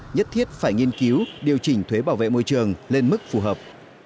nhất thiết phải nghiên cứu điều chỉnh thuế bảo vệ môi trường lên mức phù hợp